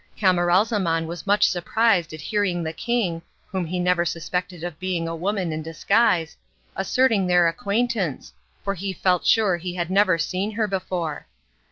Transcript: Camaralzaman was much surprised at hearing the king whom he never suspected of being a woman in disguise asserting their acquaintance, for he felt sure he had never seen her before.